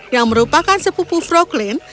yang merupakan sepupu froglin